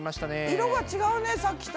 色が違うねさっきと。